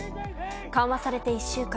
緩和されて１週間。